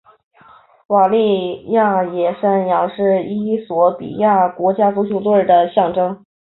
瓦利亚野山羊是衣索比亚国家足球队的象征。